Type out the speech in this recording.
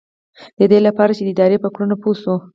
ددې لپاره چې د ادارې په کړنو پوه شو.